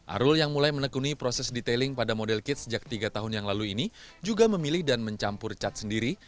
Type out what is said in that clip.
arul yang mulai menekuni proses detailing pada model kit sejak tiga tahun yang lalu ini juga memilih dan mencampur cat sendiri